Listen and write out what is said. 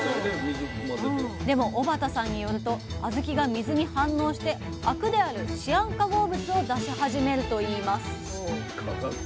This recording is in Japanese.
でも小幡さんによると小豆が水に反応してアクであるシアン化合物を出し始めるといいます。